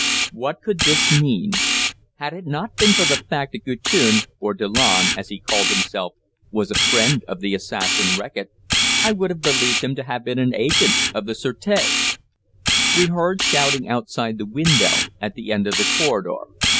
What could this mean? Had it not been for the fact that Guertin or Delanne, as he called himself was a friend of the assassin Reckitt, I would have believed him to have been an agent of the sûreté. We heard shouting outside the window at the end of the corridor.